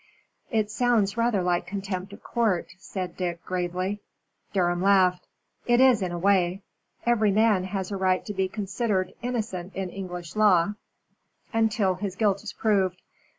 "It sounds rather like contempt of court," said Dick, gravely. Durham laughed. "It is, in a way. Every man has a right to be considered innocent in English law until his guilt is proved.